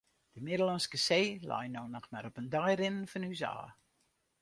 De Middellânske See lei no noch mar op in dei rinnen fan ús ôf.